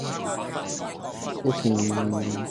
更動搖不安